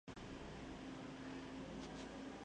La plaza es conocida internacionalmente por los Sanfermines.